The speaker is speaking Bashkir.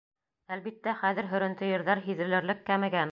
Әлбиттә, хәҙер һөрөнтө ерҙәр һиҙелерлек кәмегән.